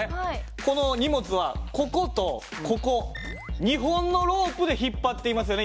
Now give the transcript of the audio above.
この荷物はこことここ２本のロープで引っ張っていますよね